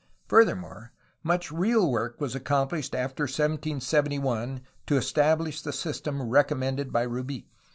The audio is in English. Fur thermore, much real work was accomplished after 1771 to establish the system recommended by Rubi.